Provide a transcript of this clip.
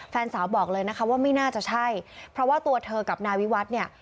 แฟนสาวบอกเลยนะคะว่าไม่น่าจะใช่เพราะว่าตัวเธอกับนายวิวัฒน์เนี่ย